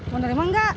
mau nerima enggak